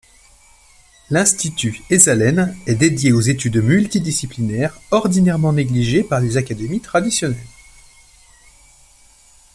L'Institut Esalen est dédié aux études multidisciplinaires ordinairement négligées par les académies traditionnelles.